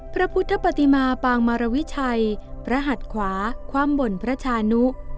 พระพุทธปฏิมาปางมารวิชัยพระหัดขวาคว่ำบนพระชานุ